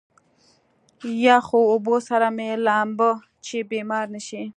يخو اوبو سره مه لامبه چې بيمار نه شې.